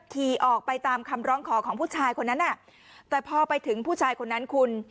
ขี่ออกไปตามคำร้องขอของผู้ชายคนนั้นน่ะแต่พอไปถึงผู้ชายคนนั้นคุณ